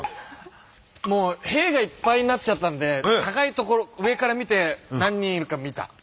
もう兵がいっぱいになっちゃったんで高い所上から見て何人いるか見た。